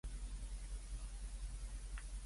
如果唔係，黐線嘅可能係我呀